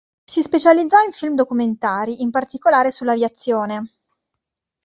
Si specializzò in film documentari, in particolare sull'aviazione.